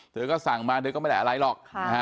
เธอก็สั่งมาเธอก็ไม่ได้อะไรหรอก